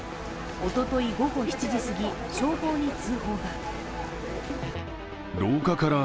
おととい午後７時過ぎ、消防に通報が。